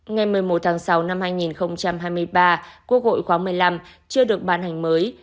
ngày một mươi một tháng sáu năm hai nghìn hai mươi ba quốc hội khóa một mươi năm chưa được ban hành mới